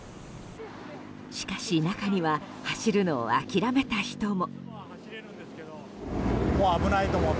しかし、中には走るのを諦めた人も。